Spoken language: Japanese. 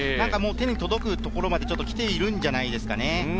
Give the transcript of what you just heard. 手に届くところまで、きているんじゃないですかね。